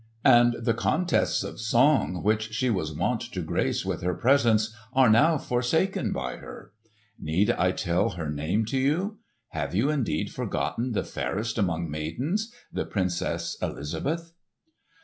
And the contests of song which she was wont to grace with her presence are now forsaken by her. Need I tell her name to you? Have you indeed forgotten the fairest among maidens, the Princess Elizabeth?"